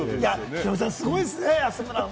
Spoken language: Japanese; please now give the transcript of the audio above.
ヒロミさん、すごいですね、安村も。